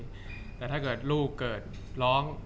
จากความไม่เข้าจันทร์ของผู้ใหญ่ของพ่อกับแม่